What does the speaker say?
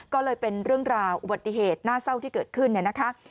ก็เลยเป็นเรื่องราวอุบัติเหตุน่าเศร้าที่เกิดขึ้นเนี่ยนะคะ